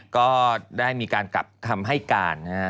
ก็ได้มีการกลับคำให้การนะฮะ